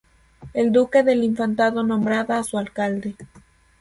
El Duque del Infantado nombraba a su alcalde.